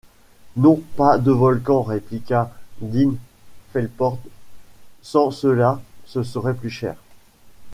Non, pas de volcan, répliqua Dean Felporg ; sans cela, ce serait plus cher!